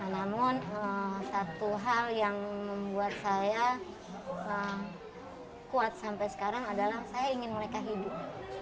namun satu hal yang membuat saya kuat sampai sekarang adalah saya ingin mereka hidup